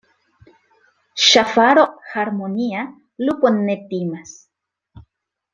Ŝafaro harmonia lupon ne timas.